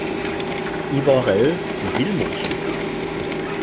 »I vor Rede ved Vildmosen!